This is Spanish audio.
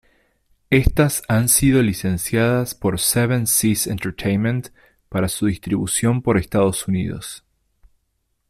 Éstas han sido licenciadas por Seven Seas Entertainment para su distribución por Estados Unidos.